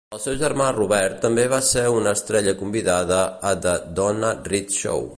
El seu germà Robert també va ser una estrella convidada a "The Donna Reed Show".